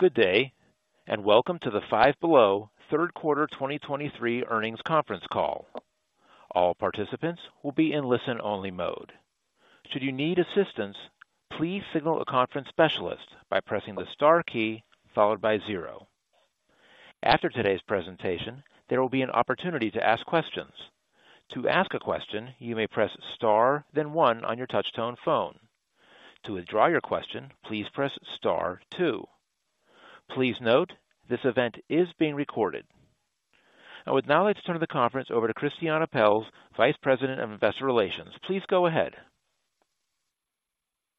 Good day, and welcome to the Five Below third quarter 2023 earnings conference call. All participants will be in listen-only mode. Should you need assistance, please signal a conference specialist by pressing the star key followed by zero. After today's presentation, there will be an opportunity to ask questions. To ask a question, you may press star, then one on your touchtone phone. To withdraw your question, please press star two. Please note, this event is being recorded. I would now like to turn the conference over to Christiane Pelz, Vice President of Investor Relations. Please go ahead.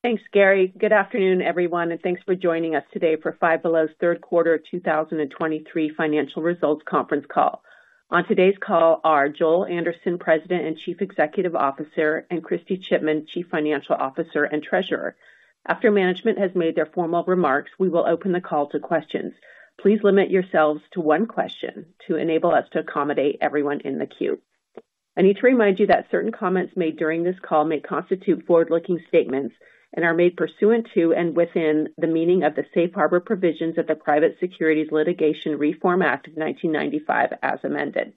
Thanks, Gary. Good afternoon, everyone, and thanks for joining us today for Five Below's third quarter 2023 financial results conference call. On today's call are Joel Anderson, President and Chief Executive Officer, and Kristy Chipman, Chief Financial Officer and Treasurer. After management has made their formal remarks, we will open the call to questions. Please limit yourselves to one question to enable us to accommodate everyone in the queue. I need to remind you that certain comments made during this call may constitute forward-looking statements and are made pursuant to and within the meaning of the Safe Harbor Provisions of the Private Securities Litigation Reform Act of 1995, as amended.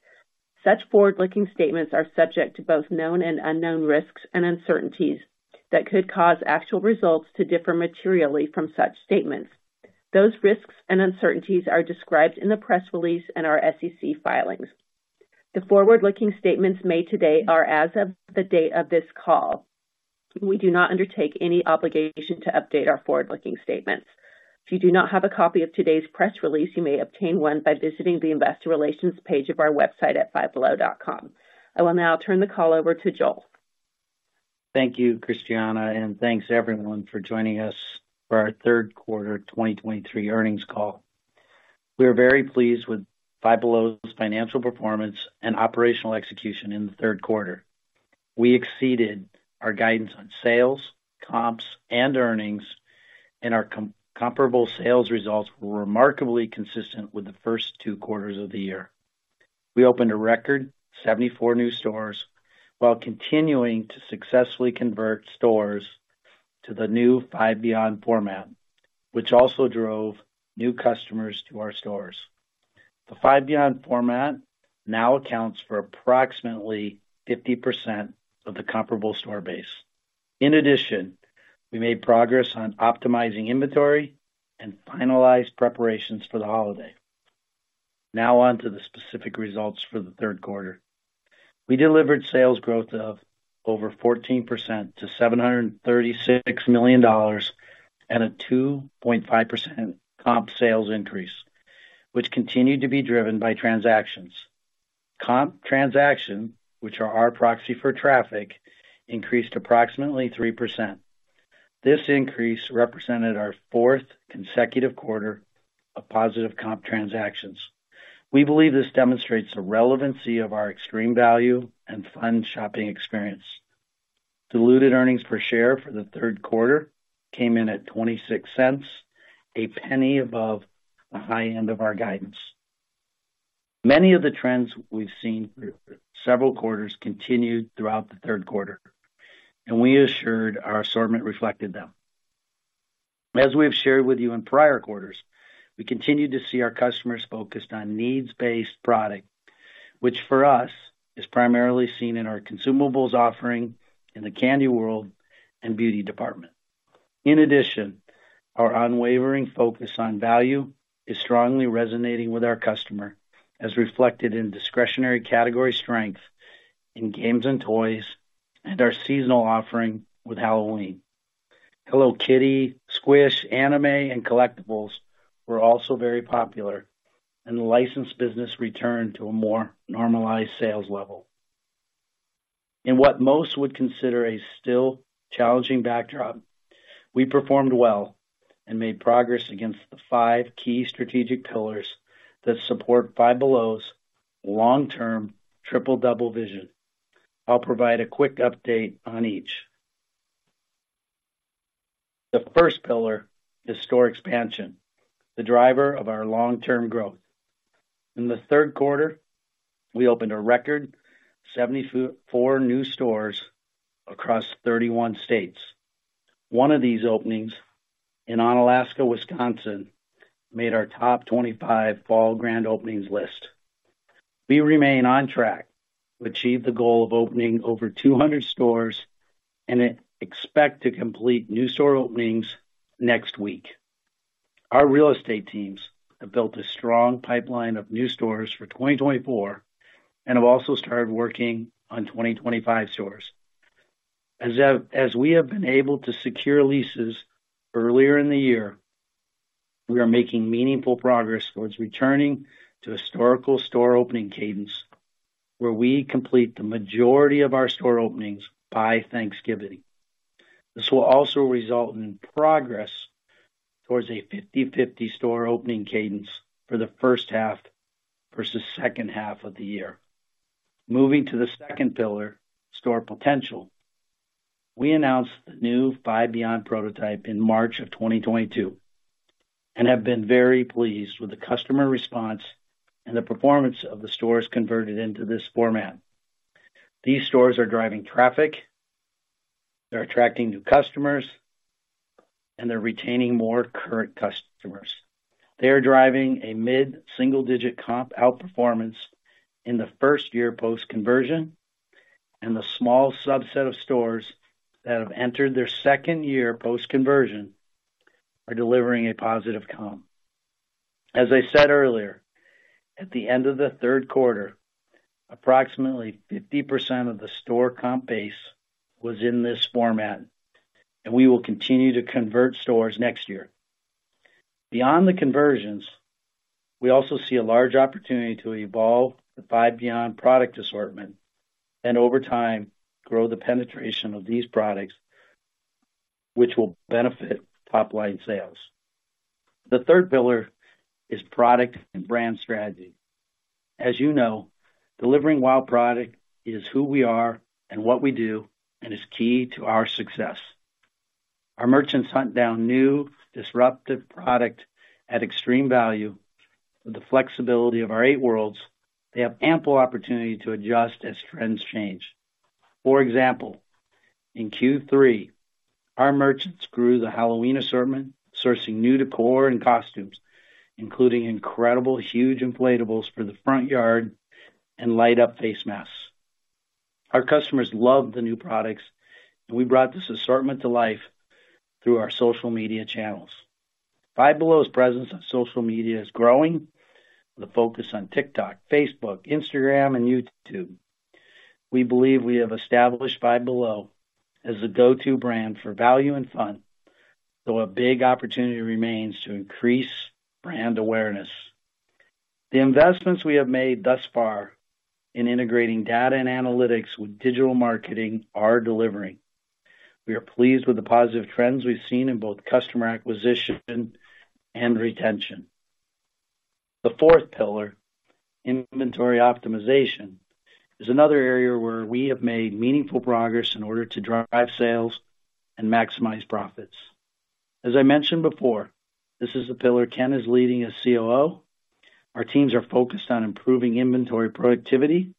Such forward-looking statements are subject to both known and unknown risks and uncertainties that could cause actual results to differ materially from such statements. Those risks and uncertainties are described in the press release and our SEC filings. The forward-looking statements made today are as of the date of this call. We do not undertake any obligation to update our forward-looking statements. If you do not have a copy of today's press release, you may obtain one by visiting the investor relations page of our website at fivebelow.com. I will now turn the call over to Joel. Thank you, Christiane, and thanks, everyone, for joining us for our third quarter 2023 earnings call. We are very pleased with Five Below's financial performance and operational execution in the third quarter. We exceeded our guidance on sales, comps, and earnings, and our comparable sales results were remarkably consistent with the first two quarters of the year. We opened a record 74 new stores while continuing to successfully convert stores to the new Five Beyond format, which also drove new customers to our stores. The Five Beyond format now accounts for approximately 50% of the comparable store base. In addition, we made progress on optimizing inventory and finalized preparations for the holiday. Now on to the specific results for the third quarter. We delivered sales growth of over 14% to $736 million and a 2.5% comp sales increase, which continued to be driven by transactions. Comp transactions, which are our proxy for traffic, increased approximately 3%. This increase represented our fourth consecutive quarter of positive comp transactions. We believe this demonstrates the relevancy of our extreme value and fun shopping experience. Diluted earnings per share for the third quarter came in at $0.26, a penny above the high end of our guidance. Many of the trends we've seen for several quarters continued throughout the third quarter, and we assured our assortment reflected them. As we have shared with you in prior quarters, we continued to see our customers focused on needs-based product, which for us, is primarily seen in our consumables offering in the candy world and beauty department. In addition, our unwavering focus on value is strongly resonating with our customer, as reflected in discretionary category strength in games and toys and our seasonal offering with Halloween. Hello Kitty, Squish, anime, and collectibles were also very popular, and the licensed business returned to a more normalized sales level. In what most would consider a still challenging backdrop, we performed well and made progress against the five key strategic pillars that support Five Below's long-term Triple Double vision. I'll provide a quick update on each. The first pillar is store expansion, the driver of our long-term growth. In the third quarter, we opened a record 74 new stores across 31 states. One of these openings in Onalaska, Wisconsin, made our top 25 fall grand openings list. We remain on track to achieve the goal of opening over 200 stores and expect to complete new store openings next week. Our real estate teams have built a strong pipeline of new stores for 2024 and have also started working on 2025 stores. As we have been able to secure leases earlier in the year, we are making meaningful progress towards returning to historical store opening cadence, where we complete the majority of our store openings by Thanksgiving. This will also result in progress towards a 50/50 store opening cadence for the first half versus second half of the year. Moving to the second pillar, store potential. We announced the new Five Beyond prototype in March of 2022 and have been very pleased with the customer response and the performance of the stores converted into this format. These stores are driving traffic. They're attracting new customers, and they're retaining more current customers. They are driving a mid-single-digit comp outperformance in the first year post-conversion, and the small subset of stores that have entered their second year post-conversion are delivering a positive comp. As I said earlier, at the end of the third quarter, approximately 50% of the store comp base was in this format, and we will continue to convert stores next year. Beyond the conversions, we also see a large opportunity to evolve the Five Beyond product assortment and over time, grow the penetration of these products, which will benefit top-line sales. The third pillar is product and brand strategy. As you know, delivering wild product is who we are and what we do, and is key to our success. Our merchants hunt down new, disruptive product at extreme value. With the flexibility of our eight worlds, they have ample opportunity to adjust as trends change. For example, in Q3, our merchants grew the Halloween assortment, sourcing new decor and costumes, including incredible, huge inflatables for the front yard and light-up face masks. Our customers loved the new products, and we brought this assortment to life through our social media channels. Five Below's presence on social media is growing, with a focus on TikTok, Facebook, Instagram, and YouTube. We believe we have established Five Below as a go-to brand for value and fun, so a big opportunity remains to increase brand awareness. The investments we have made thus far in integrating data and analytics with digital marketing are delivering. We are pleased with the positive trends we've seen in both customer acquisition and retention. The fourth pillar, inventory optimization, is another area where we have made meaningful progress in order to drive sales and maximize profits. As I mentioned before, this is a pillar Ken is leading as COO. Our teams are focused on improving inventory productivity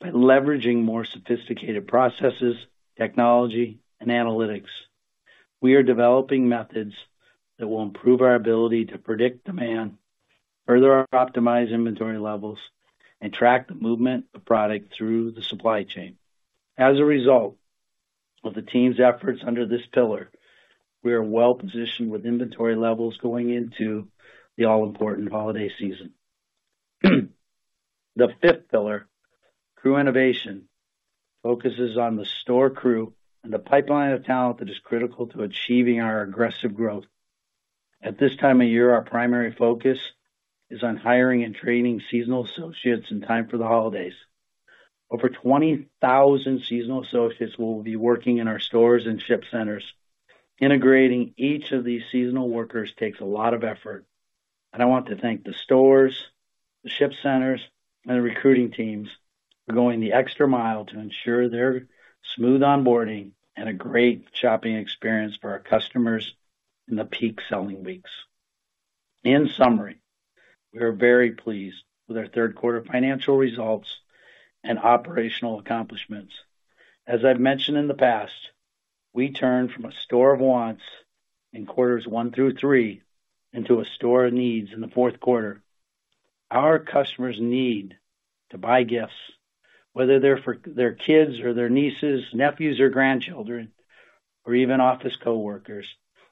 by leveraging more sophisticated processes, technology, and analytics. We are developing methods that will improve our ability to predict demand, further optimize inventory levels, and track the movement of product through the supply chain. As a result of the team's efforts under this pillar, we are well-positioned with inventory levels going into the all-important holiday season. The fifth pillar, crew innovation, focuses on the store crew and the pipeline of talent that is critical to achieving our aggressive growth. At this time of year, our primary focus is on hiring and training seasonal associates in time for the holidays. Over 20,000 seasonal associates will be working in our stores and ship centers. Integrating each of these seasonal workers takes a lot of effort, and I want to thank the stores, the ship centers, and the recruiting teams for going the extra mile to ensure their smooth onboarding and a great shopping experience for our customers in the peak selling weeks. In summary, we are very pleased with our third quarter financial results and operational accomplishments. As I've mentioned in the past, we turn from a store of wants in quarters one through three, into a store of needs in the fourth quarter. Our customers need to buy gifts, whether they're for their kids or their nieces, nephews or grandchildren, or even office coworkers,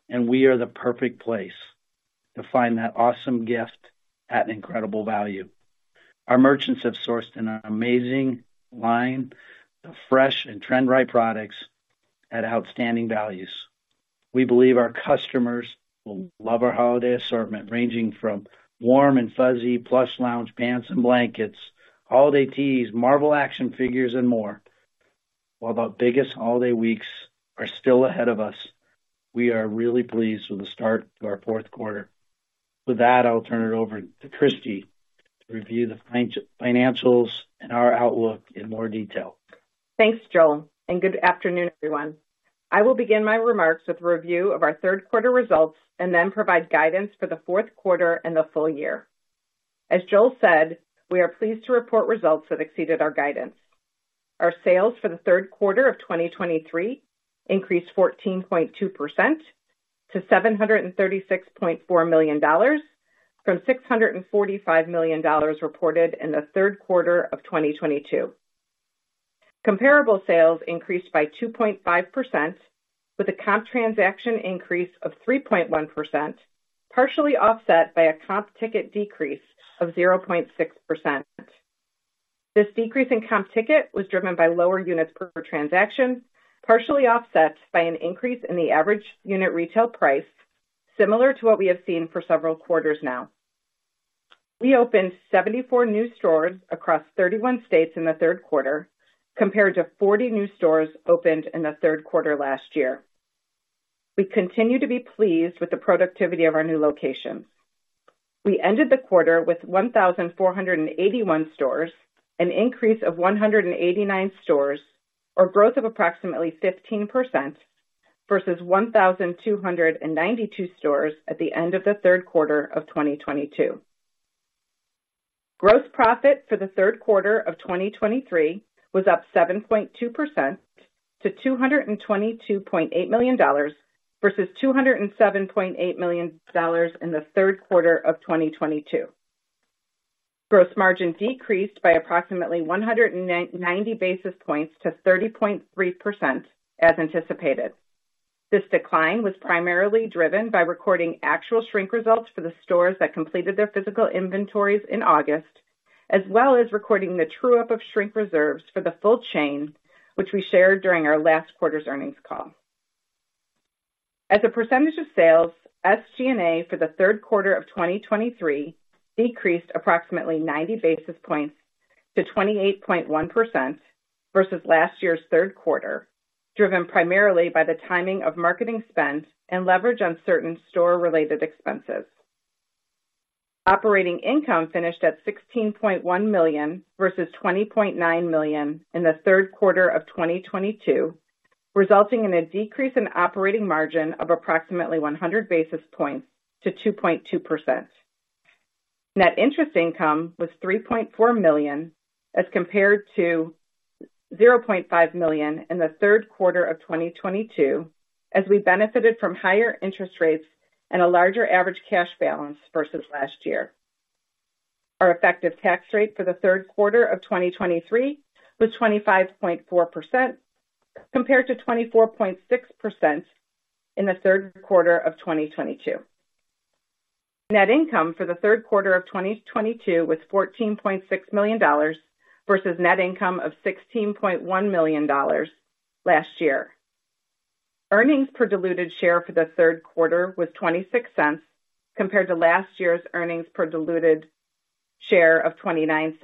and we are the perfect place to find that awesome gift at an incredible value. Our merchants have sourced an amazing line of fresh and trend-right products at outstanding values. We believe our customers will love our holiday assortment, ranging from warm and fuzzy plush lounge pants and blankets, holiday tees, Marvel action figures, and more. While the biggest holiday weeks are still ahead of us, we are really pleased with the start to our fourth quarter. With that, I'll turn it over to Kristy to review the financials and our outlook in more detail. Thanks, Joel, and good afternoon, everyone. I will begin my remarks with a review of our third quarter results, and then provide guidance for the fourth quarter and the full year. As Joel said, we are pleased to report results that exceeded our guidance. Our sales for the third quarter of 2023 increased 14.2% to $736.4 million, from $645 million reported in the third quarter of 2022. Comparable sales increased by 2.5%, with a comp transaction increase of 3.1%, partially offset by a comp ticket decrease of 0.6%. This decrease in comp ticket was driven by lower units per transaction, partially offset by an increase in the average unit retail price, similar to what we have seen for several quarters now. We opened 74 new stores across 31 states in the third quarter, compared to 40 new stores opened in the third quarter last year. We continue to be pleased with the productivity of our new locations. We ended the quarter with 1,481 stores, an increase of 189 stores, or growth of approximately 15% versus 1,292 stores at the end of the third quarter of 2022.... Gross profit for the third quarter of 2023 was up 7.2% to $222.8 million, versus $207.8 million in the third quarter of 2022. Gross margin decreased by approximately 190 basis points to 30.3% as anticipated. This decline was primarily driven by recording actual shrink results for the stores that completed their physical inventories in August, as well as recording the true up of shrink reserves for the full chain, which we shared during our last quarter's earnings call. As a percentage of sales, SG&A for the third quarter of 2023 decreased approximately 90 basis points to 28.1% versus last year's third quarter, driven primarily by the timing of marketing spend and leverage on certain store-related expenses. Operating income finished at $16.1 million versus $20.9 million in the third quarter of 2022, resulting in a decrease in operating margin of approximately 100 basis points to 2.2%. Net interest income was $3.4 million, as compared to $0.5 million in the third quarter of 2022, as we benefited from higher interest rates and a larger average cash balance versus last year. Our effective tax rate for the third quarter of 2023 was 25.4%, compared to 24.6% in the third quarter of 2022. Net income for the third quarter of 2022 was $14.6 million versus net income of $16.1 million last year. Earnings per diluted share for the third quarter was $0.26, compared to last year's earnings per diluted share of $0.29.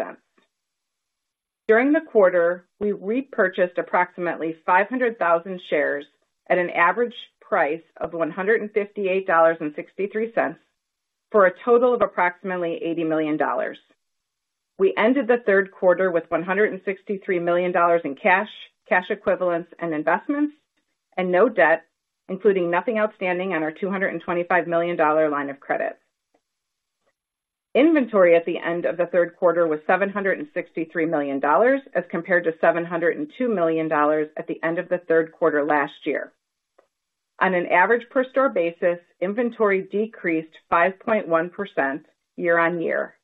During the quarter, we repurchased approximately 500,000 shares at an average price of $158.63, for a total of approximately $80 million. We ended the third quarter with $163 million in cash, cash equivalents, and investments, and no debt, including nothing outstanding on our $225 million line of credit. Inventory at the end of the third quarter was $763 million, as compared to $702 million at the end of the third quarter last year. On an average per store basis, inventory decreased 5.1% year-over-year,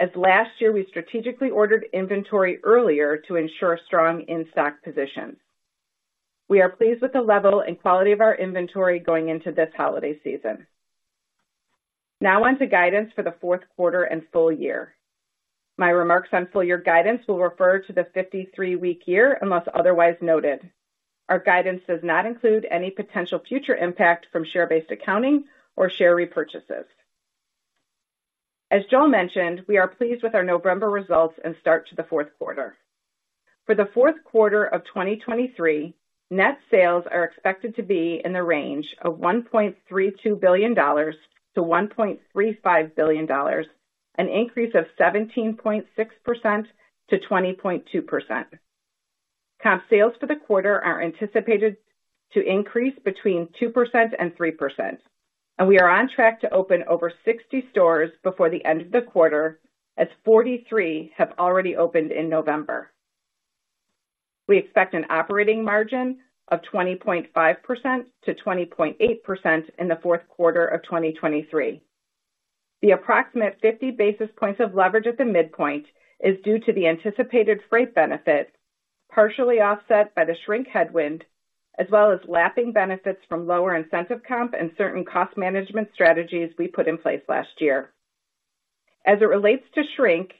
as last year, we strategically ordered inventory earlier to ensure strong in-stock positions. We are pleased with the level and quality of our inventory going into this holiday season. Now on to guidance for the fourth quarter and full year. My remarks on full year guidance will refer to the 53-week year, unless otherwise noted. Our guidance does not include any potential future impact from share-based accounting or share repurchases. As Joel mentioned, we are pleased with our November results and start to the fourth quarter. For the fourth quarter of 2023, net sales are expected to be in the range of $1.32 billion-$1.35 billion, an increase of 17.6%-20.2%. Comp sales for the quarter are anticipated to increase between 2% and 3%, and we are on track to open over 60 stores before the end of the quarter, as 43 have already opened in November. We expect an operating margin of 20.5%-20.8% in the fourth quarter of 2023. The approximate 50 basis points of leverage at the midpoint is due to the anticipated freight benefit, partially offset by the shrink headwind, as well as lapping benefits from lower incentive comp and certain cost management strategies we put in place last year. As it relates to shrink,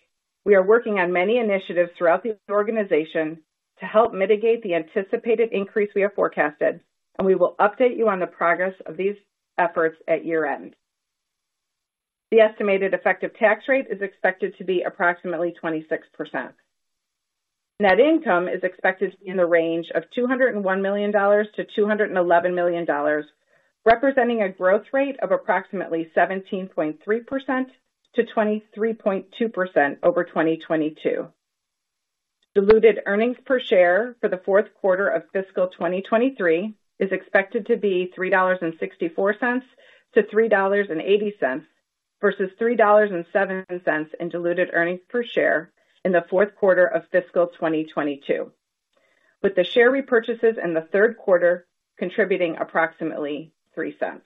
we are working on many initiatives throughout the organization to help mitigate the anticipated increase we have forecasted, and we will update you on the progress of these efforts at year-end. The estimated effective tax rate is expected to be approximately 26%. Net income is expected to be in the range of $201 million-$211 million, representing a growth rate of approximately 17.3%-23.2% over 2022. Diluted earnings per share for the fourth quarter of fiscal 2023 is expected to be $3.64-$3.80, versus $3.07 in diluted earnings per share in the fourth quarter of fiscal 2022, with the share repurchases in the third quarter contributing approximately $0.03.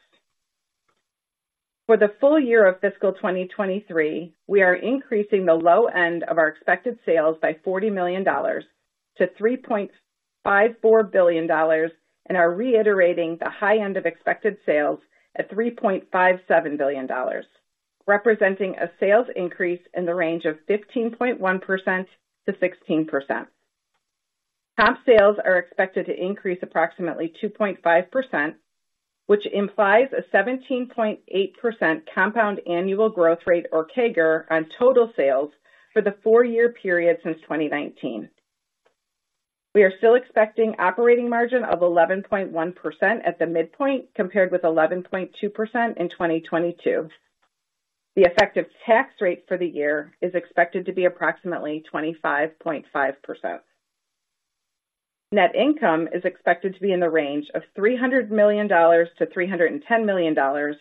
For the full year of fiscal 2023, we are increasing the low end of our expected sales by $40 million to $3.54 billion, and are reiterating the high end of expected sales at $3.57 billion, representing a sales increase in the range of 15.1%-16%. Comp sales are expected to increase approximately 2.5%, which implies a 17.8% compound annual growth rate, or CAGR, on total sales for the four-year period since 2019. We are still expecting operating margin of 11.1% at the midpoint, compared with 11.2% in 2022. The effective tax rate for the year is expected to be approximately 25.5%. Net income is expected to been the range of $300 million-$310 million,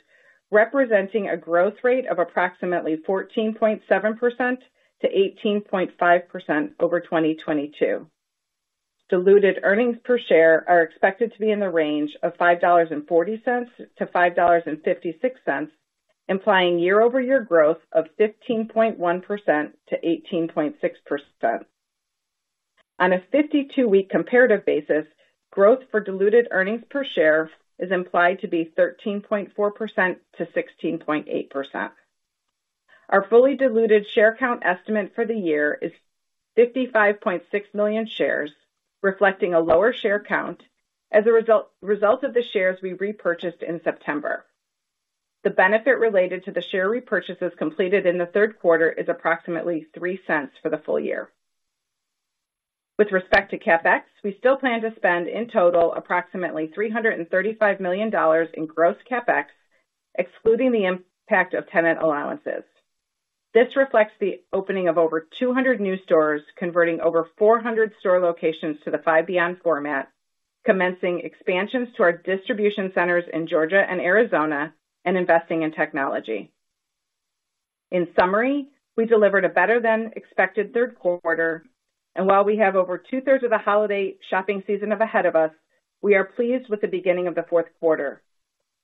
representing a growth rate of approximately 14.7%-18.5% over 2022. Diluted earnings per share are expected to be in the range of $5.40-$5.56, implying year-over-year growth of 15.1%-18.6%. On a 52-week comparative basis, growth for diluted earnings per share is implied to be 13.4%-16.8%. Our fully diluted share count estimate for the year is 55.6 million shares, reflecting a lower share count as a result of the shares we repurchased in September. The benefit related to the share repurchases completed in the third quarter is approximately $0.03 for the full year. With respect to CapEx, we still plan to spend, in total, approximately $335 million in gross CapEx, excluding the impact of tenant allowances. This reflects the opening of over 200 new stores, converting over 400 store locations to the Five Beyond format, commencing expansions to our distribution centers in Georgia and Arizona, and investing in technology. In summary, we delivered a better-than-expected third quarter, and while we have over two-thirds of the holiday shopping season ahead of us, we are pleased with the beginning of the fourth quarter.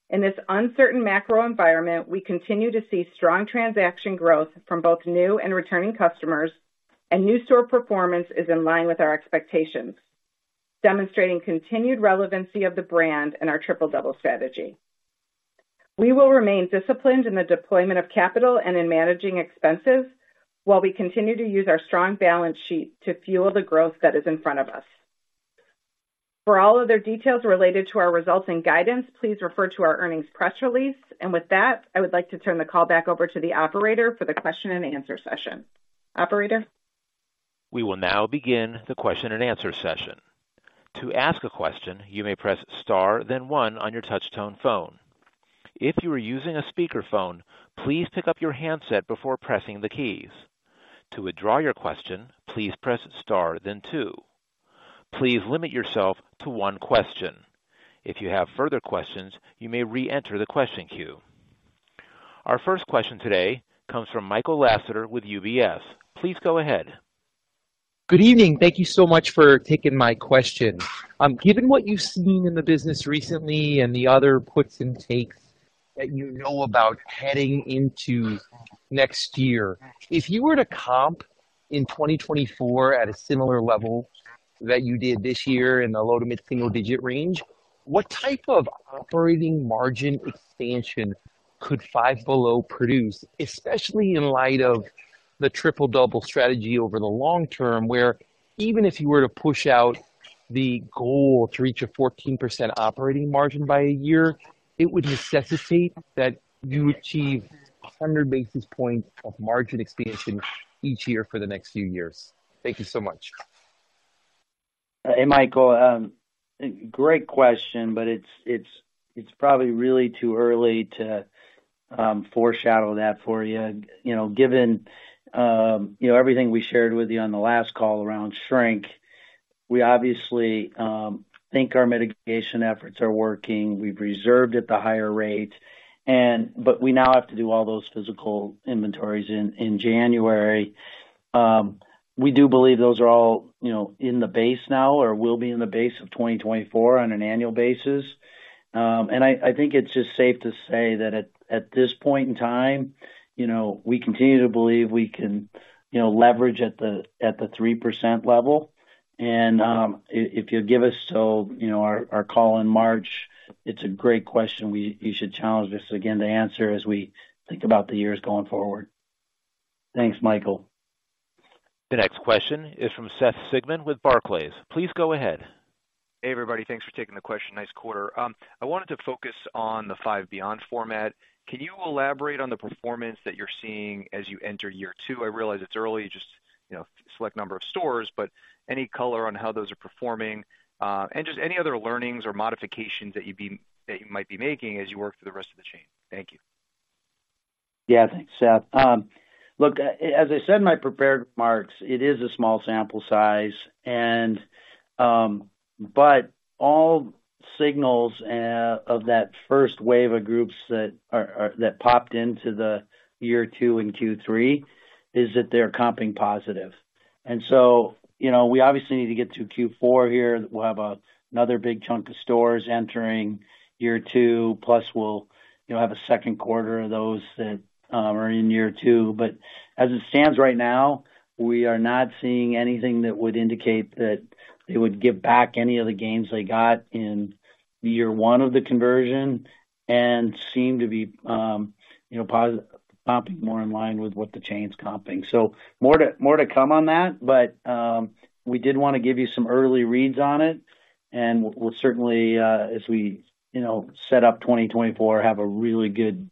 In this uncertain macro environment, we continue to see strong transaction growth from both new and returning customers, and new store performance is in line with our expectations, demonstrating continued relevancy of the brand and our Triple Double strategy. We will remain disciplined in the deployment of capital and in managing expenses, while we continue to use our strong balance sheet to fuel the growth that is in front of us. For all other details related to our results and guidance, please refer to our earnings press release. With that, I would like to turn the call back over to the operator for the question and answer session. Operator? We will now begin the question and answer session. To ask a question, you may press Star, then one on your touch-tone phone. If you are using a speakerphone, please pick up your handset before pressing the keys. To withdraw your question, please press Star then two. Please limit yourself to one question. If you have further questions, you may reenter the question queue. Our first question today comes from Michael Lasser with UBS. Please go ahead. Good evening. Thank you so much for taking my question. Given what you've seen in the business recently and the other puts and takes that you know about heading into next year, if you were to comp in 2024 at a similar level that you did this year in the low- to mid-single-digit range, what type of operating margin expansion could Five Below produce, especially in light of the Triple Double strategy over the long term, where even if you were to push out the goal to reach a 14% operating margin by a year, it would necessitate that you achieve 100 basis points of margin expansion each year for the next few years? Thank you so much. Hey, Michael, great question, but it's probably really too early to foreshadow that for you. You know, given you know, everything we shared with you on the last call around shrink, we obviously think our mitigation efforts are working. We've reserved at the higher rate, and but we now have to do all those physical inventories in January. We do believe those are all you know, in the base now or will be in the base of 2024 on an annual basis. And I think it's just safe to say that at this point in time, you know, we continue to believe we can you know, leverage at the 3% level. And if you'll give us so you know, our call in March, it's a great question. You should challenge us again to answer as we think about the years going forward. Thanks, Michael. The next question is from Seth Sigman with Barclays. Please go ahead. Hey, everybody. Thanks for taking the question. Nice quarter. I wanted to focus on the Five Beyond format. Can you elaborate on the performance that you're seeing as you enter year two? I realize it's early, just, you know, select number of stores, but any color on how those are performing, and just any other learnings or modifications that you might be making as you work through the rest of the chain? Thank you. Yeah, thanks, Seth. Look, as I said in my prepared remarks, it is a small sample size and, but all signals of that first wave of groups that popped into the year two and Q3, is that they're comping positive. And so, you know, we obviously need to get to Q4 here. We'll have another big chunk of stores entering year two, plus we'll, you know, have a second quarter of those that are in year two. But as it stands right now, we are not seeing anything that would indicate that they would give back any of the gains they got in year one of the conversion, and seem to be, you know, comping more in line with what the chain's comping. So more to come on that, but we did want to give you some early reads on it. We'll certainly, as we, you know, set up 2024, have a really good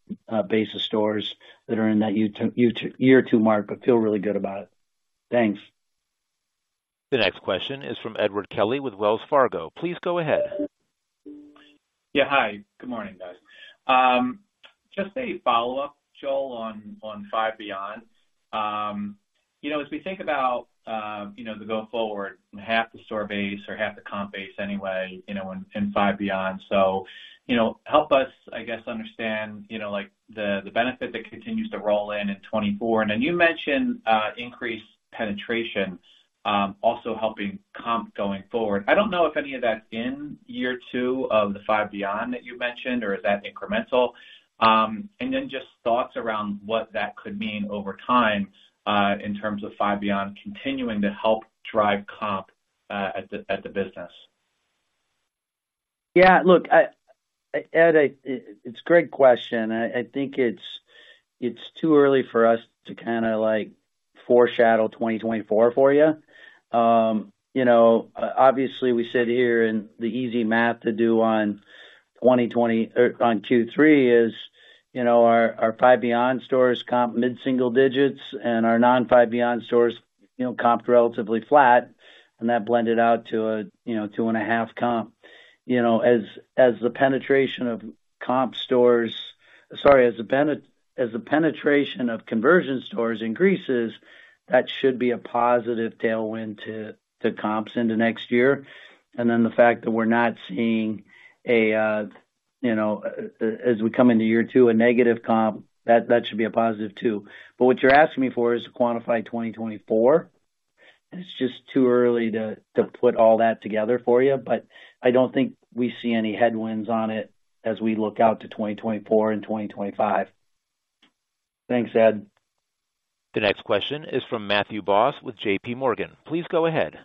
base of stores that are in that year two mark, but feel really good about it. Thanks. The next question is from Edward Kelly with Wells Fargo. Please go ahead. Yeah. Hi, good morning, guys. Just a follow-up, Joel, on Five Beyond. You know, as we think about, you know, the go forward, half the store base or half the comp base anyway, you know, in Five Beyond. So, you know, help us, I guess, understand, you know, like, the benefit that continues to roll in in 2024. And then you mentioned, increased penetration, also helping comp going forward. I don't know if any of that's in year two of the Five Beyond that you mentioned, or is that incremental? And then just thoughts around what that could mean over time, in terms of Five Beyond continuing to help drive comp, at the business. Yeah, look, Ed, it's a great question. I think it's too early for us to kinda, like, foreshadow 2024 for you. You know, obviously, we sit here and the easy math to do on 2023 or on Q3 is, you know, our Five Beyond stores comp mid-single digits, and our non-Five Beyond stores comped relatively flat, and that blended out to a 2.5 comp. You know, as the penetration of conversion stores increases, that should be a positive tailwind to comps into next year. And then the fact that we're not seeing, you know, as we come into year two, a negative comp, that should be a positive, too. But what you're asking me for is to quantify 2024, and it's just too early to put all that together for you. But I don't think we see any headwinds on it as we look out to 2024 and 2025. Thanks, Ed. The next question is from Matthew Boss with JPMorgan. Please go ahead.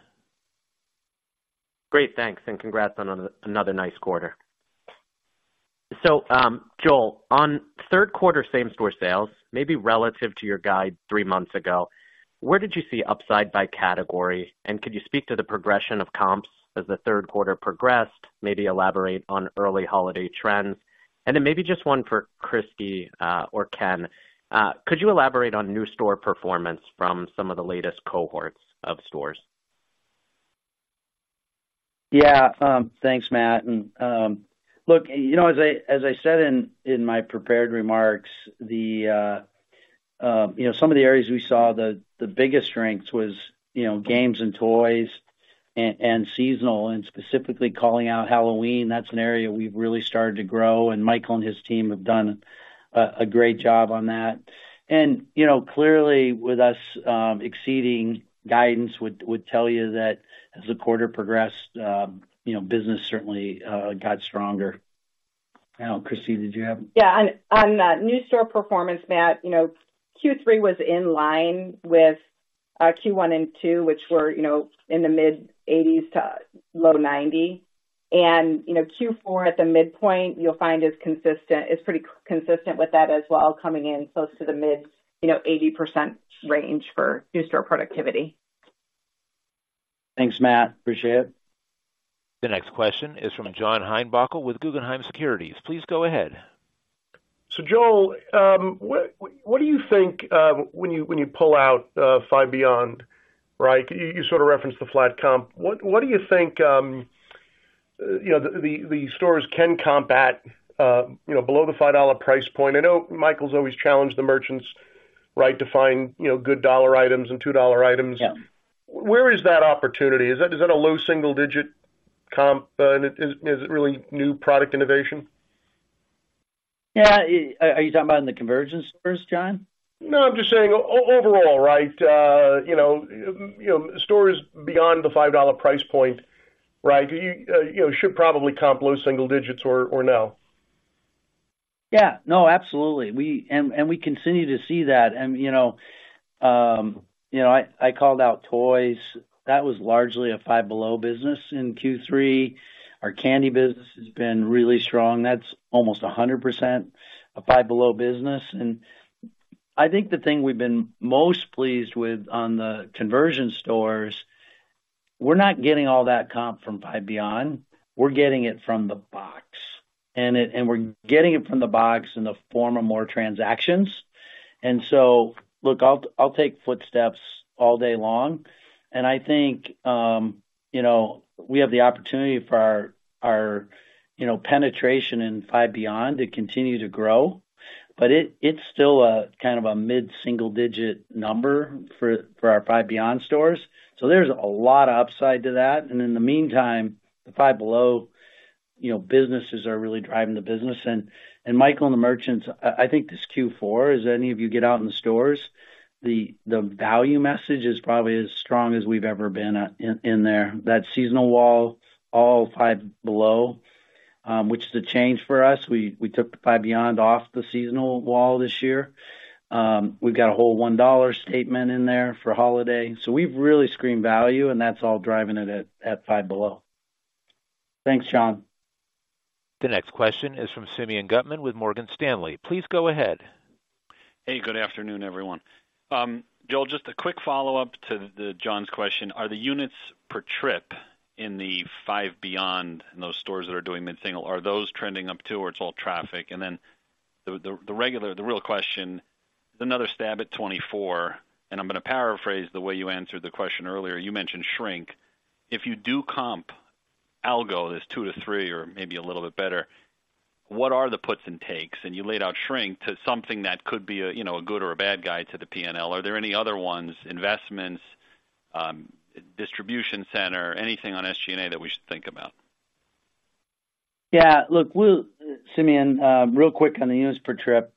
Great. Thanks, and congrats on another nice quarter. So, Joel, on third quarter same-store sales, maybe relative to your guide three months ago, where did you see upside by category? And could you speak to the progression of comps as the third quarter progressed, maybe elaborate on early holiday trends? And then maybe just one for Kristy, or Ken. Could you elaborate on new store performance from some of the latest cohorts of stores? Yeah. Thanks, Matt. And, look, you know, as I said in my prepared remarks, you know, some of the areas we saw the biggest strengths was, you know, games and toys and seasonal, and specifically calling out Halloween. That's an area we've really started to grow, and Michael and his team have done a great job on that. And, you know, clearly, with us exceeding guidance, would tell you that as the quarter progressed, you know, business certainly got stronger. I don't know, Kristy, did you have- Yeah, on new store performance, Matt, you know, Q3 was in line with Q1 and Q2, which were, you know, in the mid-80s to low 90s. You know, Q4, at the midpoint, you'll find is pretty consistent with that as well, coming in close to the mid-80% range for new store productivity. Thanks, Matt. Appreciate it. The next question is from John Heinbockel with Guggenheim Securities. Please go ahead. So, Joel, what do you think when you pull out Five Beyond, right? You sort of referenced the flat comp. What do you think, you know, the stores can comp at, you know, below the $5 price point? I know Michael's always challenged the merchants, right, to find, you know, good $1 items and $2 items. Yeah. Where is that opportunity? Is that, is that a low single-digit comp, and is, is it really new product innovation? Yeah, are you talking about in the conversion stores, John? No, I'm just saying overall, right, you know, stores beyond the $5 price point, right? Do you, you know, should probably comp below single digits or no? Yeah. No, absolutely. We and we continue to see that. And, you know, you know, I, I called out toys. That was largely a Five Below business in Q3. Our candy business has been really strong. That's almost 100% a Five Below business. And I think the thing we've been most pleased with on the conversion stores, we're not getting all that comp from Five Beyond. We're getting it from the box, and it and we're getting it from the box in the form of more transactions. And so, look, I'll, I'll take footsteps all day long, and I think, you know, we have the opportunity for our, our, you know, penetration in Five Beyond to continue to grow. But it, it's still a kind of a mid-single-digit number for, for our Five Beyond stores, so there's a lot of upside to that. And in the meantime, the Five Below, you know, businesses are really driving the business. And Michael and the merchants, I think this Q4, as any of you get out in the stores, the value message is probably as strong as we've ever been at, in there. That seasonal wall, all Five Below, which is a change for us. We took the Five Beyond off the seasonal wall this year. We've got a whole one dollar statement in there for holiday. So we've really screened value, and that's all driving it at Five Below. Thanks, John. The next question is from Simeon Gutman with Morgan Stanley. Please go ahead. Hey, good afternoon, everyone. Joel, just a quick follow-up to John's question. Are the units per trip in the Five Beyond, in those stores that are doing mid-single, are those trending up too, or it's all traffic? And then the regular, the real question... Another stab at 2024, and I'm gonna paraphrase the way you answered the question earlier. You mentioned shrink. If you do comp algo, this 2-3 or maybe a little bit better, what are the puts and takes? And you laid out shrink to something that could be a, you know, a good or a bad guy to the P&L. Are there any other ones, investments, distribution center, anything on SG&A that we should think about? Yeah, look, we'll, Simeon, real quick on the units per trip.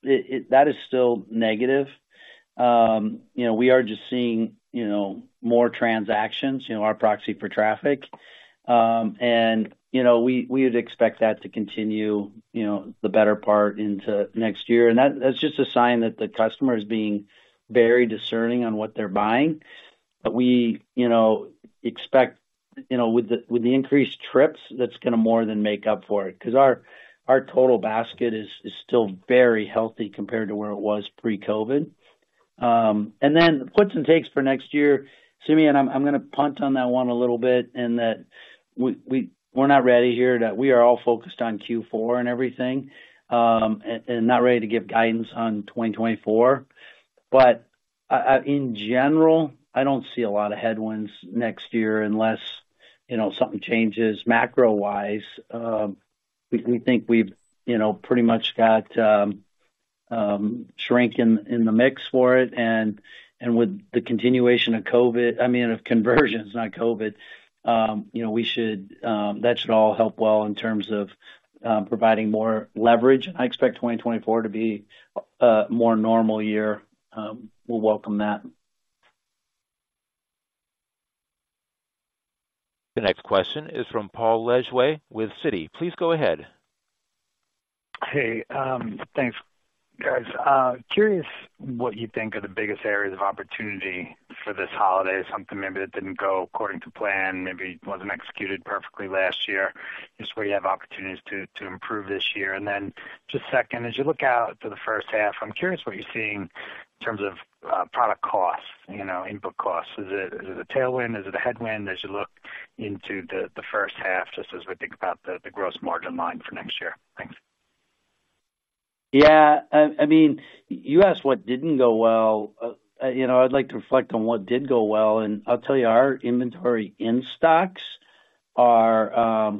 That is still negative. You know, we are just seeing, you know, more transactions, you know, our proxy for traffic. And, you know, we would expect that to continue, you know, the better part into next year. And that's just a sign that the customer is being very discerning on what they're buying. But we, you know, expect, you know, with the increased trips, that's gonna more than make up for it because our total basket is still very healthy compared to where it was pre-COVID. And then puts and takes for next year, Simeon, I'm gonna punt on that one a little bit, in that we're not ready here, that we are all focused on Q4 and everything, and not ready to give guidance on 2024. But in general, I don't see a lot of headwinds next year unless, you know, something changes macro-wise. We think we've, you know, pretty much got shrink in the mix for it. And with the continuation of COVID, I mean, of conversions, not COVID, you know, we should—that should all help well in terms of providing more leverage. I expect 2024 to be a more normal year. We'll welcome that. The next question is from Paul Lejuez with Citi. Please go ahead. Hey, thanks, guys. Curious what you think are the biggest areas of opportunity for this holiday? Something maybe that didn't go according to plan, maybe wasn't executed perfectly last year, just where you have opportunities to improve this year. And then just second, as you look out to the first half, I'm curious what you're seeing in terms of product costs, you know, input costs. Is it a tailwind? Is it a headwind as you look into the first half, just as we think about the gross margin line for next year? Thanks. Yeah, I mean, you asked what didn't go well. You know, I'd like to reflect on what did go well, and I'll tell you, our inventory in stocks are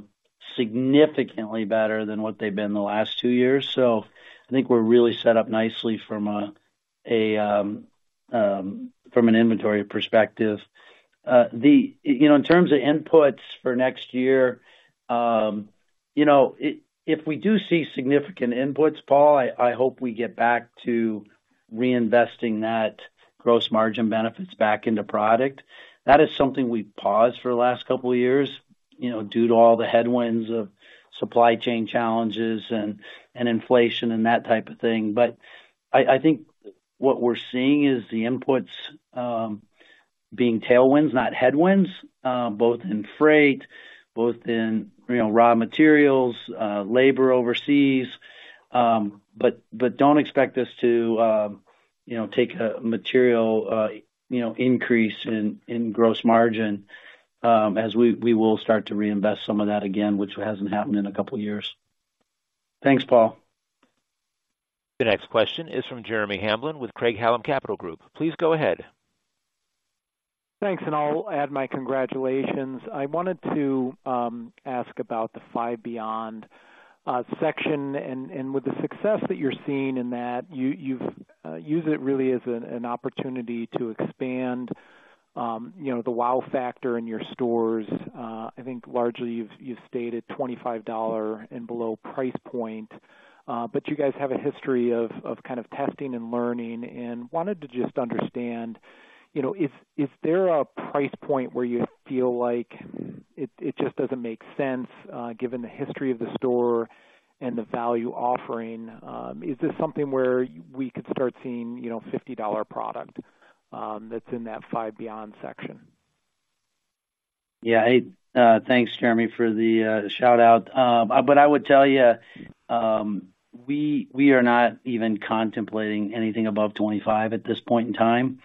significantly better than what they've been the last two years. So I think we're really set up nicely from a, a, from an inventory perspective. You know, in terms of inputs for next year, you know, if we do see significant inputs, Paul, I hope we get back to reinvesting that gross margin benefits back into product. That is something we've paused for the last couple of years, you know, due to all the headwinds of supply chain challenges and inflation and that type of thing. But I think what we're seeing is the inputs being tailwinds, not headwinds, both in freight, both in, you know, raw materials, labor overseas. But don't expect us to, you know, take a material, you know, increase in gross margin, as we will start to reinvest some of that again, which hasn't happened in a couple of years. Thanks, Paul. The next question is from Jeremy Hamblin with Craig-Hallum Capital Group. Please go ahead. Thanks, and I'll add my congratulations. I wanted to ask about the Five Beyond section, and with the success that you're seeing in that, you've used it really as an opportunity to expand, you know, the wow factor in your stores. I think largely you've stated $25 and below price point, but you guys have a history of kind of testing and learning, and wanted to just understand, you know, is there a price point where you feel like it just doesn't make sense, given the history of the store and the value offering, is this something where we could start seeing, you know, $50 product that's in that Five Beyond section? Yeah. Hey, thanks, Jeremy, for the shout-out. But I would tell you, we are not even contemplating anything above 25 at this point in time.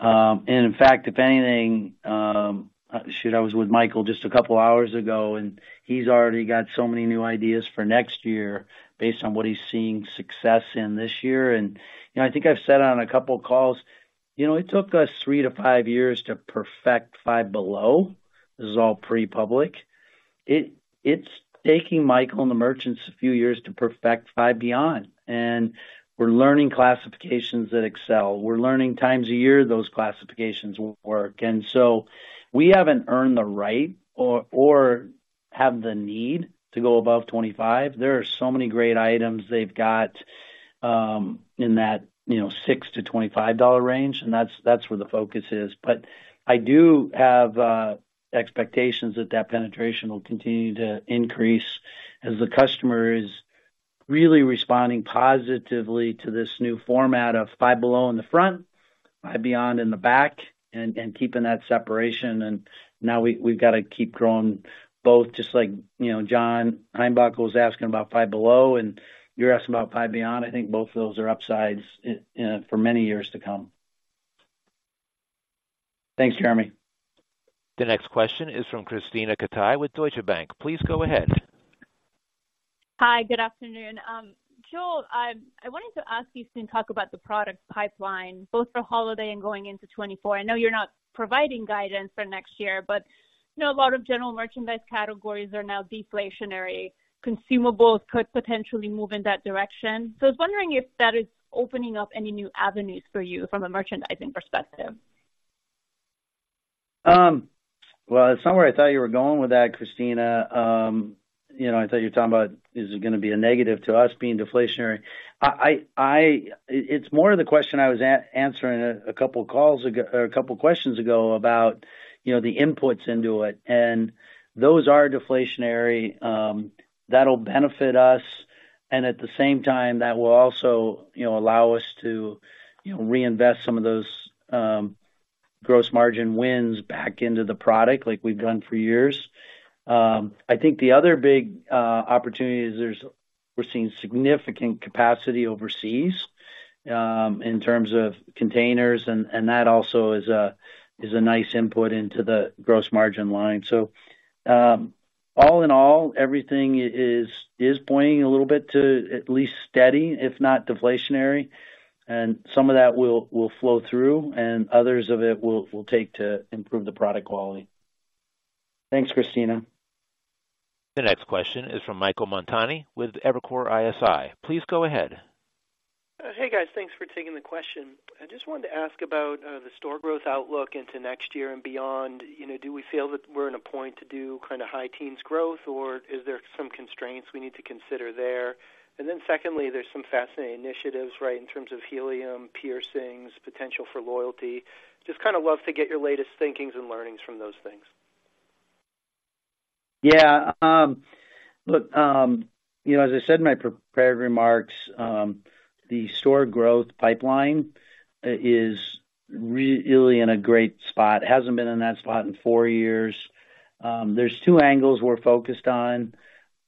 And in fact, if anything, shoot, I was with Michael just a couple of hours ago, and he's already got so many new ideas for next year based on what he's seeing success in this year. And, you know, I think I've said on a couple of calls, you know, it took us three to five years to perfect Five Below. This is all pre-public. It's taking Michael and the merchants a few years to perfect Five Beyond, and we're learning classifications that excel. We're learning times a year those classifications will work. And so we haven't earned the right or have the need to go above 25. There are so many great items they've got in that, you know, $6-$25 range, and that's where the focus is. But I do have expectations that that penetration will continue to increase as the customer is really responding positively to this new format of Five Below in the front, Five Beyond in the back, and keeping that separation. And now we, we've got to keep growing both, just like, you know, John Heinbockel was asking about Five Below, and you're asking about Five Beyond. I think both of those are upsides, you know, for many years to come. Thanks, Jeremy. The next question is from Krisztina Katai with Deutsche Bank. Please go ahead. Hi, good afternoon. Joel, I wanted to ask you to talk about the product pipeline, both for holiday and going into 2024. I know you're not providing guidance for next year, but I know a lot of general merchandise categories are now deflationary. Consumables could potentially move in that direction. So I was wondering if that is opening up any new avenues for you from a merchandising perspective? Well, somewhere I thought you were going with that, Krisztina. You know, I thought you were talking about, is it gonna be a negative to us being deflationary? It's more of the question I was answering a couple of calls ago-- or a couple of questions ago about, you know, the inputs into it, and those are deflationary, that'll benefit us, and at the same time, that will also, you know, allow us to, you know, reinvest some of those, gross margin wins back into the product like we've done for years. I think the other big opportunity is we're seeing significant capacity overseas, in terms of containers, and that also is a nice input into the gross margin line. So, all in all, everything is pointing a little bit to at least steady, if not deflationary, and some of that will flow through, and others of it will take to improve the product quality. Thanks, Krisztina. The next question is from Michael Montani, with Evercore ISI. Please go ahead. Hey, guys, thanks for taking the question. I just wanted to ask about the store growth outlook into next year and beyond. You know, do we feel that we're in a point to do kinda high teens growth, or is there some constraints we need to consider there? And then secondly, there's some fascinating initiatives, right, in terms of helium, piercings, potential for loyalty. Just kinda love to get your latest thinkings and learnings from those things. Yeah. Look, you know, as I said in my prepared remarks, the store growth pipeline is really in a great spot. It hasn't been in that spot in four years. There's two angles we're focused on.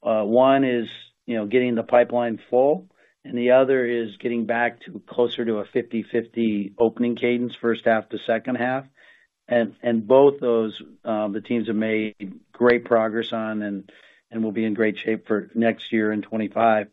One is, you know, getting the pipeline full, and the other is getting back to closer to a 50/50 opening cadence, first half to second half. And both those, the teams have made great progress on and will be in great shape for next year in 2025.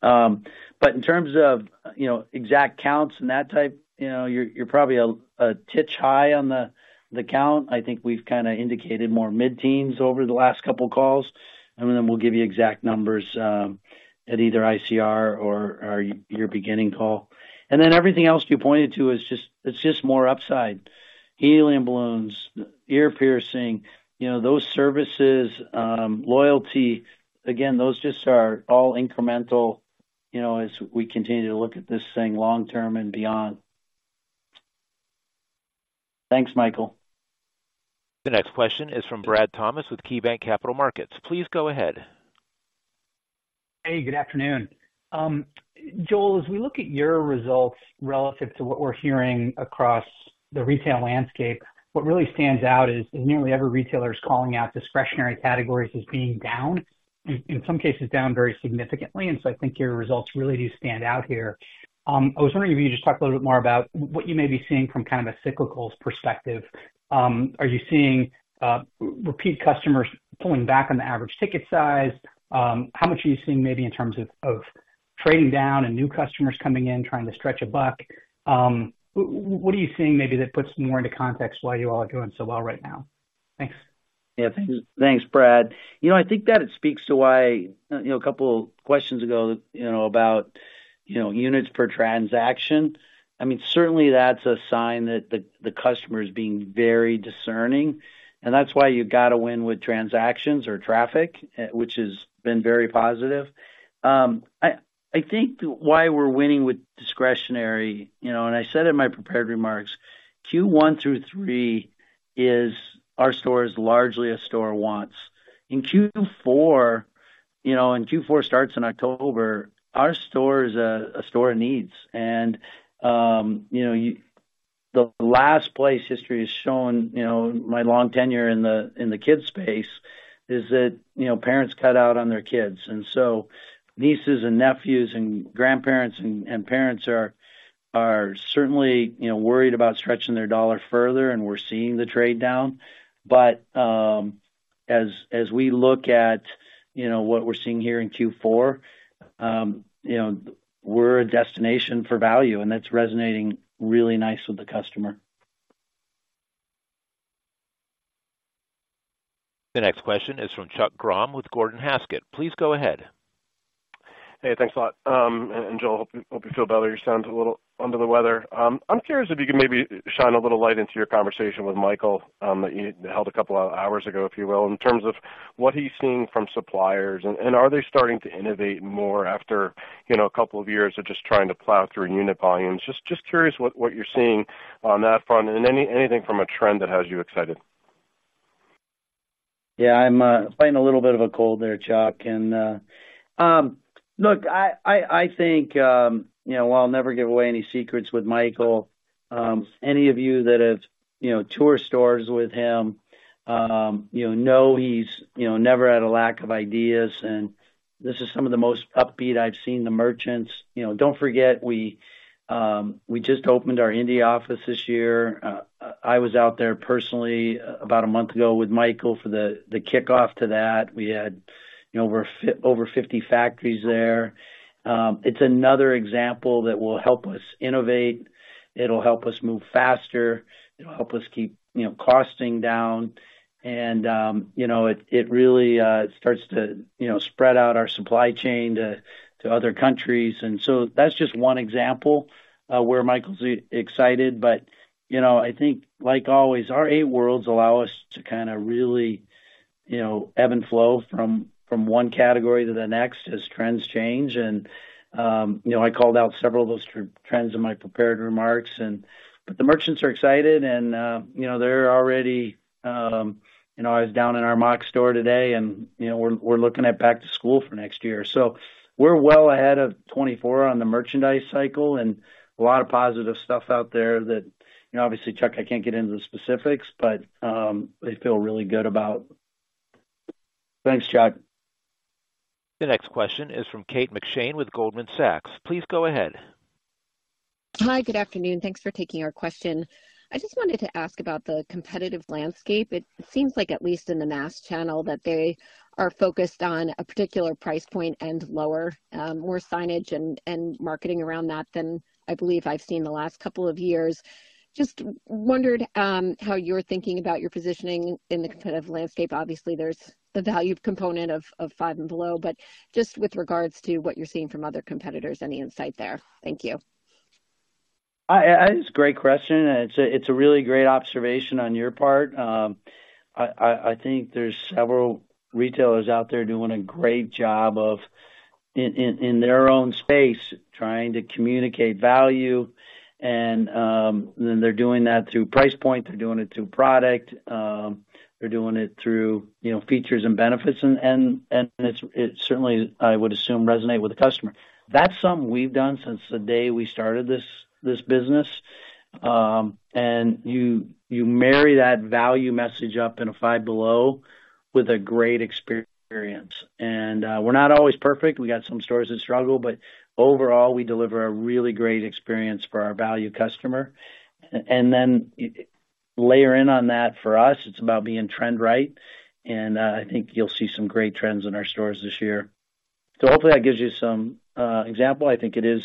But in terms of, you know, exact counts and that type, you know, you're probably a titch high on the count. I think we've kinda indicated more mid-teens over the last couple of calls, and then we'll give you exact numbers at either ICR or your beginning call. And then everything else you pointed to is just, it's just more upside. Helium balloons, ear piercing, you know, those services, loyalty, again, those just are all incremental, you know, as we continue to look at this thing long-term and beyond. Thanks, Michael. The next question is from Brad Thomas, with KeyBanc Capital Markets. Please go ahead. Hey, good afternoon. Joel, as we look at your results relative to what we're hearing across the retail landscape, what really stands out is nearly every retailer is calling out discretionary categories as being down, in some cases, down very significantly, and so I think your results really do stand out here. I was wondering if you could just talk a little bit more about what you may be seeing from kind of a cyclicals perspective. Are you seeing repeat customers pulling back on the average ticket size? How much are you seeing maybe in terms of trading down and new customers coming in, trying to stretch a buck? What are you seeing maybe that puts more into context why you all are doing so well right now? Thanks. Yeah. Thanks, Brad. You know, I think that it speaks to why, you know, a couple of questions ago, you know, about, you know, units per transaction. I mean, certainly that's a sign that the customer is being very discerning, and that's why you've got to win with transactions or traffic, which has been very positive. I think why we're winning with discretionary, you know, and I said in my prepared remarks, Q1 through Q3 is our store is largely a store of wants. In Q4, you know, and Q4 starts in October, our store is a store of needs. You know, the last place history has shown, you know, my long tenure in the kids space is that, you know, parents cut out on their kids. So nieces and nephews and grandparents and parents are certainly, you know, worried about stretching their dollar further, and we're seeing the trade-down. But as we look at, you know, what we're seeing here in Q4, you know, we're a destination for value, and that's resonating really nice with the customer. The next question is from Chuck Grom, with Gordon Haskett. Please go ahead. Hey, thanks a lot. And, Joel, hope you feel better. You sound a little under the weather. I'm curious if you could maybe shine a little light into your conversation with Michael that you held a couple of hours ago, if you will, in terms of what he's seeing from suppliers, and are they starting to innovate more after, you know, a couple of years of just trying to plow through unit volumes? Just curious what you're seeing on that front and anything from a trend that has you excited. Yeah, I'm fighting a little bit of a cold there, Chuck. Look, I think, you know, while I'll never give away any secrets with Michael, any of you that have, you know, toured stores with him, you know, know he's, you know, never had a lack of ideas, and this is some of the most upbeat I've seen the merchants. You know, don't forget, we just opened our India office this year. I was out there personally about a month ago with Michael for the kickoff to that. We had, you know, over 50 factories there. It's another example that will help us innovate. It'll help us move faster. It'll help us keep, you know, costing down. And, you know, it really starts to, you know, spread out our supply chain to other countries. And so that's just one example where Michael's excited. But, you know, I think, like always, our eight worlds allow us to kinda really, you know, ebb and flow from one category to the next as trends change. And, you know, I called out several of those trends in my prepared remarks. And, but the merchants are excited, and, you know, they're already, you know, I was down in our mock store today, and, you know, we're looking at back to school for next year. So we're well ahead of 2024 on the merchandise cycle, and a lot of positive stuff out there that, you know, obviously, Chuck, I can't get into the specifics, but, they feel really good about... Thanks, Chuck. The next question is from Kate McShane with Goldman Sachs. Please go ahead. Hi, good afternoon. Thanks for taking our question. I just wanted to ask about the competitive landscape. It seems like, at least in the mass channel, that they are focused on a particular price point and lower, more signage and marketing around that than I believe I've seen in the last couple of years. Just wondered, how you're thinking about your positioning in the competitive landscape. Obviously, there's the value component of Five Below, but just with regards to what you're seeing from other competitors, any insight there? Thank you. It's a great question, and it's a really great observation on your part. I think there's several retailers out there doing a great job of, in their own space, trying to communicate value, and then they're doing that through price point, they're doing it through product, they're doing it through, you know, features and benefits, and it's certainly, I would assume, resonate with the customer. That's something we've done since the day we started this business. And you marry that value message up in a Five Below with a great experience. And we're not always perfect. We got some stores that struggle, but overall, we deliver a really great experience for our value customer. And then, layer in on that, for us, it's about being trend right, and I think you'll see some great trends in our stores this year. So hopefully that gives you some example. I think it is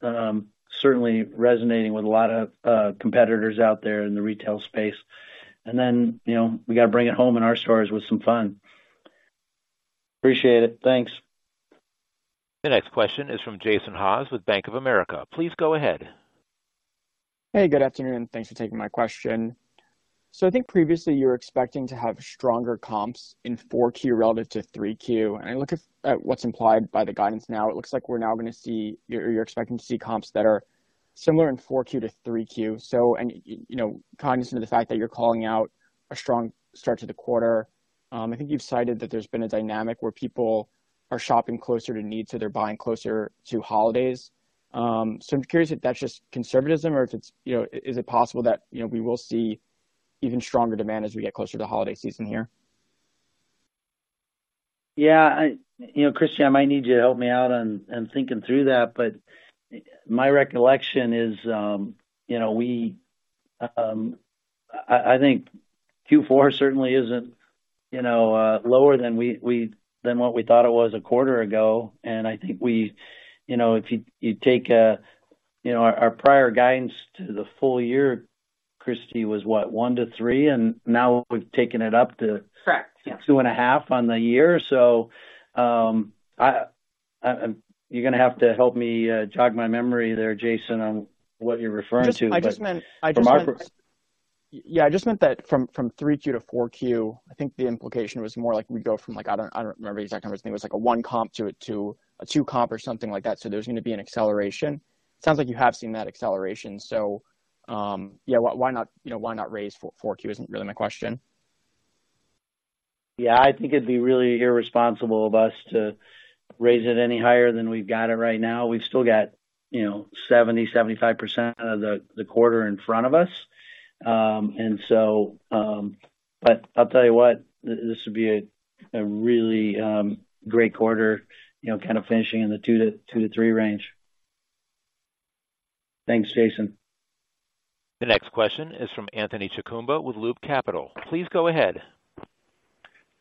certainly resonating with a lot of competitors out there in the retail space. And then, you know, we gotta bring it home in our stores with some fun. Appreciate it. Thanks. The next question is from Jason Haas with Bank of America. Please go ahead. Hey, good afternoon. Thanks for taking my question. So I think previously you were expecting to have stronger comps in 4Q relative to 3Q, and I look at what's implied by the guidance now. It looks like we're now gonna see. You're expecting to see comps that are similar in 4Q to 3Q. So, and you know, cognizant of the fact that you're calling out a strong start to the quarter, I think you've cited that there's been a dynamic where people are shopping closer to need, so they're buying closer to holidays. So I'm curious if that's just conservatism or if it's, you know, is it possible that, you know, we will see even stronger demand as we get closer to the holiday season here? Yeah. You know, Kristy, I might need you to help me out on thinking through that, but my recollection is, you know, we, I think Q4 certainly isn't, you know, lower than we than what we thought it was a quarter ago. And I think we, you know, if you take, you know, our prior guidance to the full year, Kristy, was what? One to three, and now we've taken it up to- Correct. Yes. 2.5 on the year. So, you're gonna have to help me jog my memory there, Jason, on what you're referring to. I just meant. From our per- Yeah, I just meant that from 3Q to 4Q, I think the implication was more like we go from, like, I don't remember the exact numbers. I think it was like a 1 comp to a 2 comp or something like that, so there's gonna be an acceleration. Sounds like you have seen that acceleration, so yeah, why not, you know, why not raise 4Q, is really my question. Yeah, I think it'd be really irresponsible of us to raise it any higher than we've got it right now. We've still got, you know, 75% of the quarter in front of us. And so, but I'll tell you what, this would be a really great quarter, you know, kind of finishing in the two to three range. Thanks, Jason. The next question is from Anthony Chukumba with Loop Capital. Please go ahead.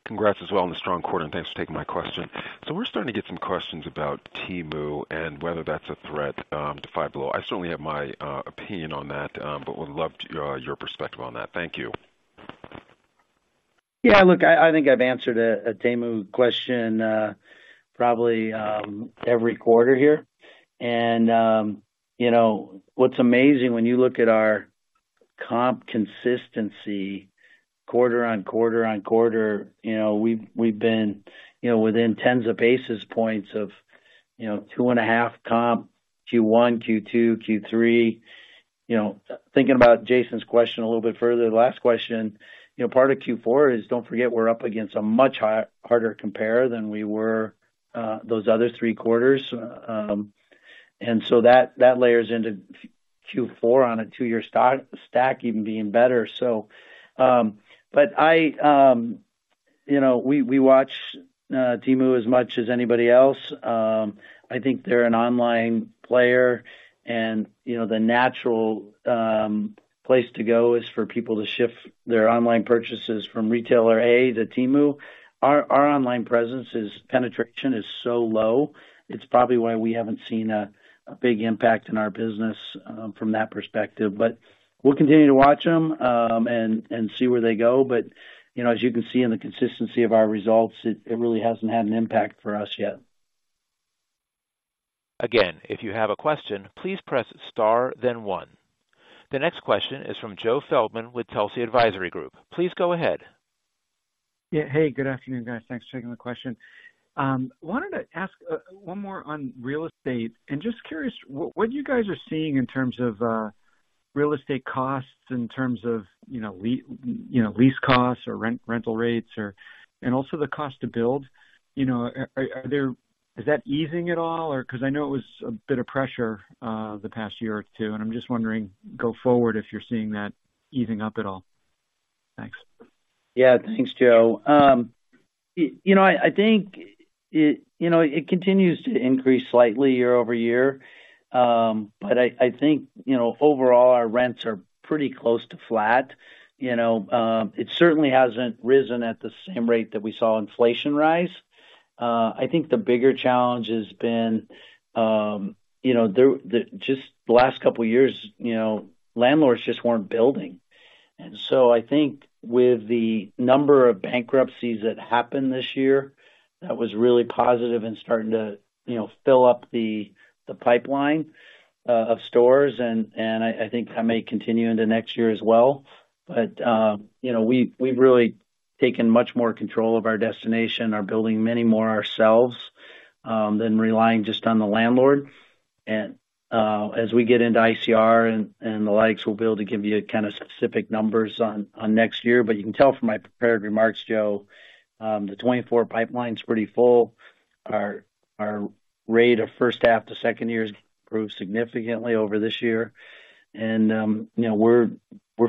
Congrats as well on the strong quarter, and thanks for taking my question. So we're starting to get some questions about Temu and whether that's a threat to Five Below. I certainly have my opinion on that, but would love your perspective on that. Thank you. Yeah, look, I think I've answered a Temu question probably every quarter here. And you know, what's amazing when you look at our comp consistency quarter on quarter on quarter, you know, we've been you know, within tens of basis points of you know, 2.5 comp, Q1, Q2, Q3. You know, thinking about Jason's question a little bit further, the last question, you know, part of Q4 is, don't forget we're up against a much harder compare than we were those other three quarters. And so that layers into Q4 on a two-year stack even being better. So, but I you know, we watch Temu as much as anybody else. I think they're an online player and, you know, the natural place to go is for people to shift their online purchases from retailer A to Temu. Our online presence penetration is so low, it's probably why we haven't seen a big impact in our business from that perspective. But we'll continue to watch them and see where they go. But, you know, as you can see in the consistency of our results, it really hasn't had an impact for us yet. Again, if you have a question, please press Star, then one. The next question is from Joe Feldman with Telsey Advisory Group. Please go ahead. Yeah. Hey, good afternoon, guys. Thanks for taking the question. Wanted to ask one more on real estate, and just curious, what you guys are seeing in terms of real estate costs, in terms of, you know, lease costs or rental rates or, and also the cost to build. You know, is that easing at all or? 'Cause I know it was a bit of pressure the past year or two, and I'm just wondering, go forward, if you're seeing that easing up at all. Thanks. Yeah. Thanks, Joe. You know, I think it... You know, it continues to increase slightly year over year. But I think, you know, overall, our rents are pretty close to flat. You know, it certainly hasn't risen at the same rate that we saw inflation rise. I think the bigger challenge has been, you know, just the last couple of years, you know, landlords just weren't building. And so I think with the number of bankruptcies that happened this year, that was really positive and starting to, you know, fill up the pipeline of stores, and I think that may continue into next year as well. But, you know, we've really taken much more control of our destination, are building many more ourselves, than relying just on the landlord. And as we get into ICR and the likes, we'll be able to give you kind of specific numbers on next year. But you can tell from my prepared remarks, Joe, the 2024 pipeline's pretty full. Our rate of first half to second year has improved significantly over this year. And you know, we're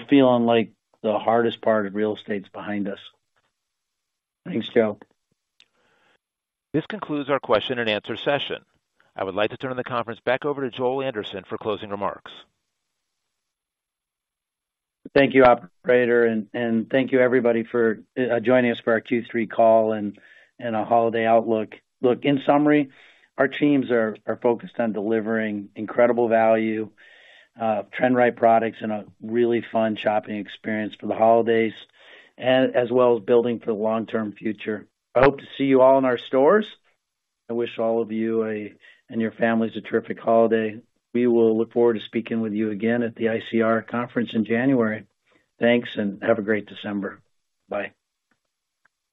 feeling like the hardest part of real estate is behind us. Thanks, Joe. This concludes our question and answer session. I would like to turn the conference back over to Joel Anderson for closing remarks. Thank you, operator, and thank you everybody for joining us for our Q3 call and our holiday outlook. Look, in summary, our teams are focused on delivering incredible value, trend-right products, and a really fun shopping experience for the holidays, as well as building for the long-term future. I hope to see you all in our stores. I wish all of you and your families a terrific holiday. We look forward to speaking with you again at the ICR Conference in January. Thanks, and have a great December. Bye.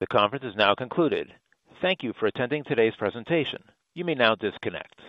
The conference is now concluded. Thank you for attending today's presentation. You may now disconnect.